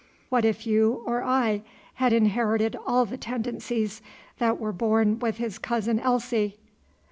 What if you or I had inherited all the tendencies that were born with his cousin Elsie?"